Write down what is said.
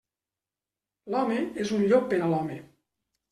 L'home és un llop per a l'home.